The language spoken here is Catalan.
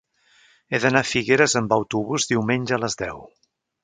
He d'anar a Figueres amb autobús diumenge a les deu.